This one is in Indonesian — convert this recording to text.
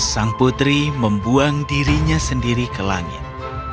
sang putri membuang dirinya sendiri ke langit